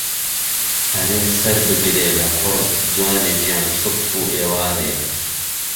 ئهرێ سهر بگرێ له قوڕ جوانێ گیان سوبح و ئێوارێ